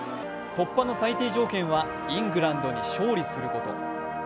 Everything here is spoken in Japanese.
突破の最低条件はイングランドに勝利すること。